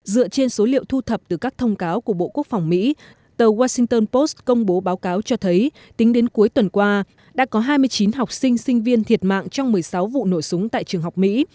dựa trên số liệu thu thập từ các thông cáo của bộ quốc phòng mỹ tờ washington post công bố báo cáo cho thấy tính đến cuối tuần qua đã có hai mươi chín học sinh sinh viên thiệt mạng trong một mươi sáu vụ nổ súng tại trường học mỹ